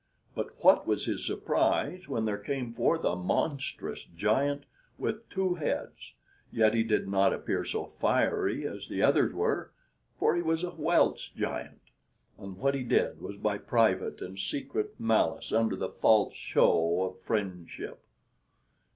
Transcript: But what was his surprise when there came forth a monstrous giant with two heads; yet he did not appear so fiery as the others were, for he was a Welsh giant, and what he did was by private and secret malice under the false show of friendship.